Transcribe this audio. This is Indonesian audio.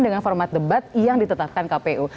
dengan format debat yang ditetapkan kpu